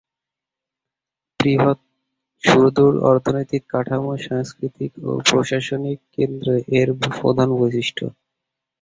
বৃহৎ সুদৃঢ় অর্থনৈতিক কাঠামো, সাংস্কৃতিক ও প্রশাসনিক কেন্দ্র এর প্রধান বৈশিষ্ট্য।